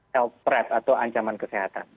health prep atau ancaman kesehatan